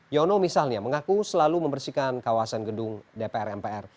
yono misalnya mengaku selalu membersihkan kawasan gedung dpr mpr